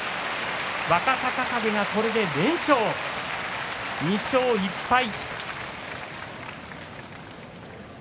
若隆景はこれで連勝、２勝１敗。